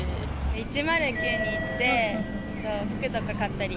１０９に行って、服とか買ったり。